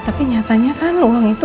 tapi nyatanya kan uang itu